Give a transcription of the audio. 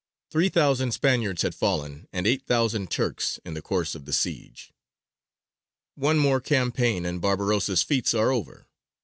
Three thousand Spaniards had fallen, and eight thousand Turks, in the course of the siege. One more campaign and Barbarossa's feats are over.